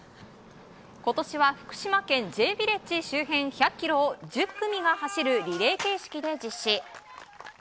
今年は福島県Ｊヴィレッジ周辺１００ｋｍを１０組が走るリレー形式で実施。